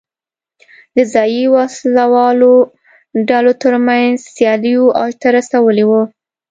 د ځايي وسله والو ډلو ترمنځ سیالیو اوج ته رسولې وه.